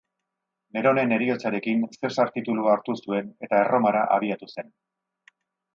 Neronen heriotzarekin, Zesar titulua hartu zuen eta Erromara abiatu zen.